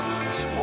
お。